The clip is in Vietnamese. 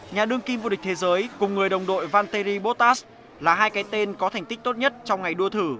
nhà đương kim vô địch thế giới cùng người đồng đội vantery botas là hai cái tên có thành tích tốt nhất trong ngày đua thử